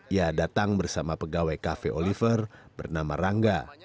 ia datang bersama pegawai cafe oliver bernama rangga